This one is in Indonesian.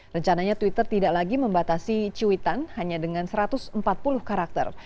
rencananya twitter tidak lagi membatasi cuitan hanya dengan satu ratus empat puluh karakter